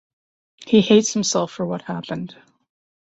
He hates himself for what happened.